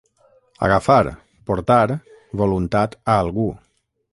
Agafar, portar, voluntat a algú.